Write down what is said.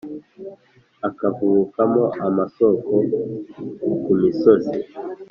akavubukamo amasoko ku misozi.